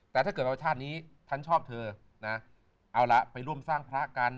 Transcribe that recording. แต่ถ้าเกิดว่าชาตินี้ฉันชอบเธอนะเอาละไปร่วมสร้างพระกัน